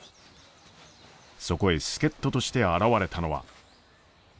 そこへ助っ人として現れたのは。